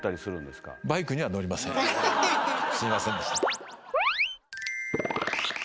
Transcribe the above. すいませんでした。